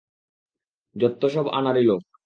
যত্তসব আনাড়ি লোক।